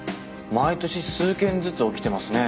毎年数件ずつ起きてますね。